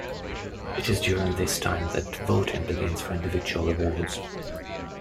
It is during this time that voting begins for individual awards.